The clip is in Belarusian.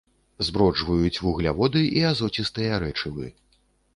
Зброджваюць вугляводы і азоцістыя рэчывы.